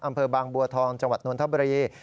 อำเภอบางบัวทองจังหวัดนนท์ธบริเวณ